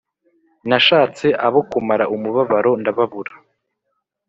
nashatse abo kumara umubabaro ndababura